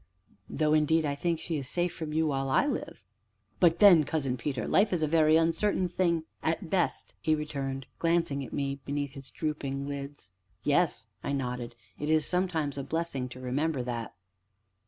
"Though, indeed, I think she is safe from you while I live." "But then, Cousin Peter, life is a very uncertain thing at best," he returned, glancing at me beneath his drooping lids. "Yes," I nodded, "it is sometimes a blessing to remember that."